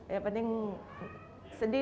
yang penting sedih